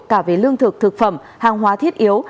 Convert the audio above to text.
cả về lương thực thực phẩm hàng hóa thiết yếu